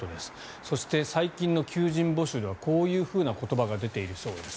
そして、最近の求人募集ではこういう言葉が出ているそうです。